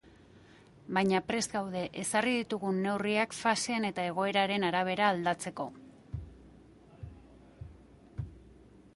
Baina prest gaude ezarri ditugun neurriak faseen eta egoeraren arabera aldatzeko.